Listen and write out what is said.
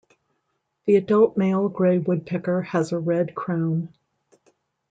The adult male grey woodpecker has a red crown.